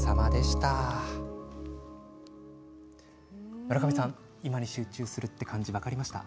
村上さん、今に集中する感じ分かりますか。